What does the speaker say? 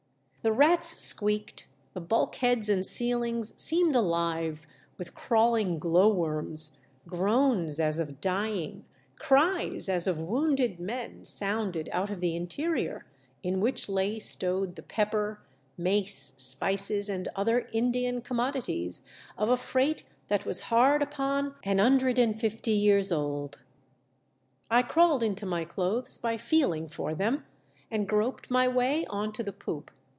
The rats squeaked, the bulkheads and ceilings seemed alive with crawling glow worms, groans as of dying, cries as of wounded men sounded out of the interior in which lay stowed the pepper, mace, spices and other Indian com modities of a freight that was hard upon an hundred and fifty years old ! I crawled into my clothes by feeling for them, and groped my way on to the poop.